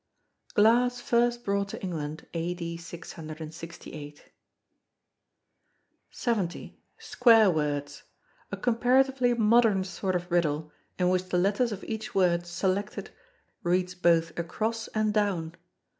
[GLASS FIRST BROUGHT TO ENGLAND A.D. 668.] 70. Square Words. A comparatively modern sort of riddle, in which the letters of each word selected reads both across and down.